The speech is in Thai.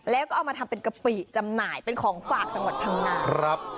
แล้วก็เอามาทำเป็นกะปิจำหน่ายเป็นของฝากจังหวัดพังงาครับ